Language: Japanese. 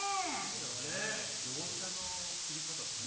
業者の切り方ですね。